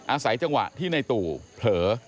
อาศัยจังหวะที่ในตู่เผลอ